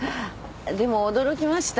でも驚きました。